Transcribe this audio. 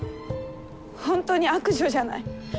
本当に悪女じゃない。